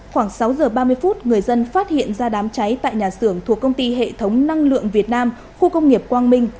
khoảng sáu giờ ba mươi phút người dân phát hiện ra đám cháy tại nhà xưởng thuộc công ty hệ thống năng lượng việt nam khu công nghiệp quang minh